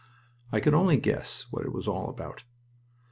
I could only guess what it was all about.